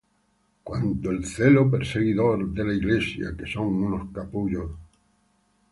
Cuanto al celo, perseguidor de la iglesia;